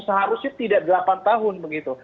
seharusnya tidak delapan tahun begitu